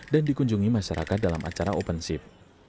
dan dikunjungi masyarakat dalam acara open ship